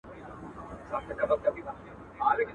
تا پټ کړی تر خرقې لاندي تزویر دی.